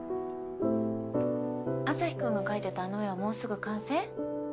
アサヒくんが描いてたあの絵はもうすぐ完成？